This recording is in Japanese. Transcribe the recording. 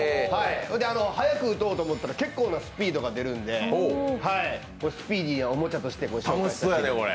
速く打とうと思ったら結構なスピードが出るのでスピーディなおもちゃとして遊べるかと。